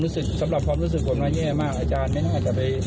สำหรับความรู้สึกผมว่าแย่มากอาจารย์ไม่น่าจะไป